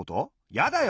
やだよ！